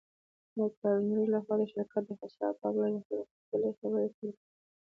د کارنګي لهخوا د شرکت د خرڅلاو په هکله خپلې خبرې پيل کړې.